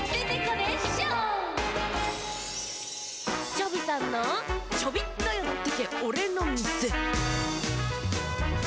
チョビさんの「チョビっとよってけおれのみせ」。